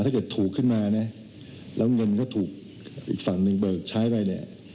ถ้าเกิดถูกขึ้นมานะแล้วเงินก็ถูกอีกฝั่งหนึ่งเบิกใช้ไปเนี่ย